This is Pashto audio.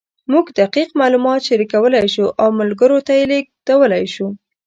موږ دقیق معلومات شریکولی شو او ملګرو ته یې لېږدولی شو.